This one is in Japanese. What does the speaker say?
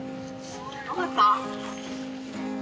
分かった？